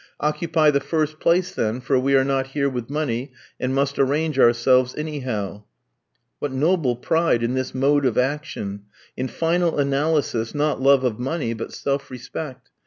Occupy the first place then, for we are not here with money, and must arrange ourselves anyhow." What noble pride in this mode of action! In final analysis not love of money, but self respect.